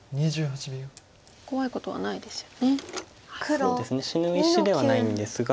そうですね死ぬ石ではないんですが。